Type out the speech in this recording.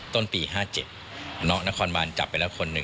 ต้นปี๕๗น้องนครบาลจับไปแล้ว๑คน